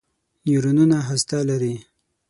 نیورونونه هسته لري.